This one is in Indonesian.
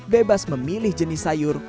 bebas memilih jenis sayur